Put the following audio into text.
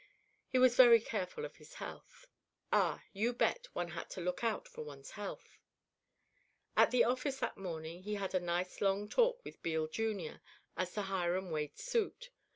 He was very careful of his health. Ah, you bet, one had to look out for one's health. At the office that morning he had a long talk with Beale, Jr., as to Hiram Wade's suit.